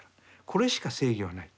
これしか正義はない。